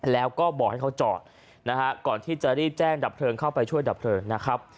แล้วก็บอกให้เขาจอดนะฮะก่อนที่จะรีบแจ้งดับเพลิงเข้าไปช่วยดับเพลิงนะครับ